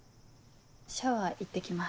シャワー行って来ます。